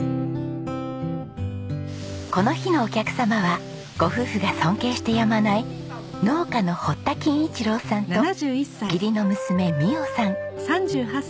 この日のお客様はご夫婦が尊敬してやまない農家の堀田金一郎さんと義理の娘美央さん。